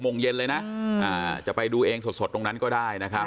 โมงเย็นเลยนะจะไปดูเองสดตรงนั้นก็ได้นะครับ